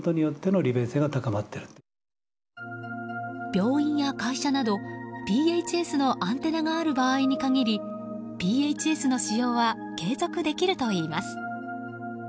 病院や会社など、ＰＨＳのアンテナがある場合に限りＰＨＳの使用は継続できるといいます。